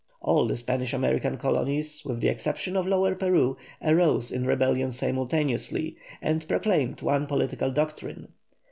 All the Spanish American colonies with the exception of Lower Peru, arose in rebellion simultaneously, and proclaimed one political doctrine.